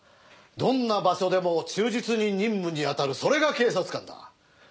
どんな場所でも忠実に任務に当たるそれが警察官だ。